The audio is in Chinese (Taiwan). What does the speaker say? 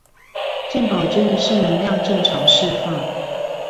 健保真的是能量正常釋放